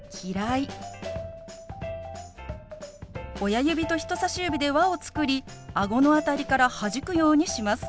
親指と人さし指で輪を作りあごの辺りからはじくようにします。